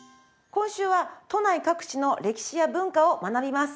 今週は都内各地の歴史や文化を学びます。